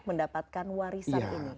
mendapatkan warisan ini